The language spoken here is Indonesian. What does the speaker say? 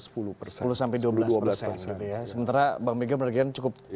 sementara bank mega merugikan cukup